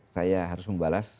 saya harus membalas